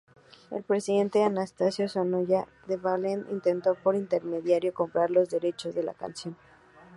El presidente Anastasio Somoza Debayle intentó por intermediarios comprar los derechos de la canción.